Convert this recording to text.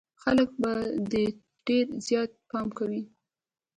خلک به ده ته ډېر زيات پام کوي.